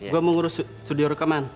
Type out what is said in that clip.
gue mau ngurus studio rekaman